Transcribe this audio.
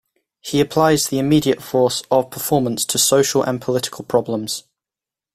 He applies the immediate force of performance to social and political problems.